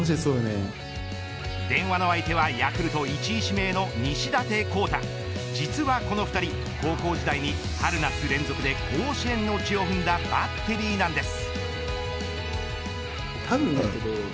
電話の相手はヤクルト１位指名の西舘昂汰実はこの２人高校時代に春夏連続で甲子園の地を踏んだバッテリーなんです。